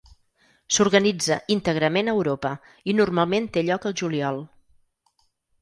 S'organitza íntegrament a Europa i normalment té lloc al juliol.